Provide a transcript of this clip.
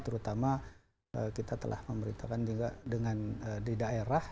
terutama kita telah memberitakan juga dengan di daerah